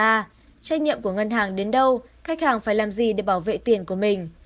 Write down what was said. và trách nhiệm của ngân hàng đến đâu khách hàng phải làm gì để bảo vệ tiền của mình